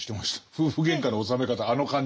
夫婦げんかの収め方あの感じ。